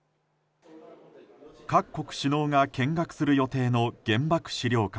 各国首脳が見学する予定の原爆資料館。